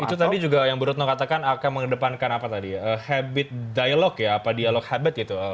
itu tadi juga yang bu retno katakan akan mengedepankan apa tadi ya habit dialog ya apa dialog habit gitu